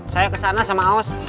saya kesana sama aus